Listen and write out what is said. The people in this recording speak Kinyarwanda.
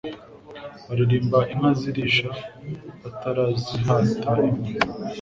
baririmbaga inka zirisha batarazihata inkoni